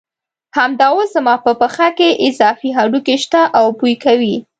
همدا اوس زما په پښه کې اضافي هډوکي شته او بوی کوي.